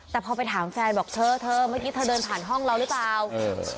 แต่พอไปถามแฟนบอกเธอเธอเมื่อกี้เธอเดินผ่านห้องเราหรือเปล่าเออ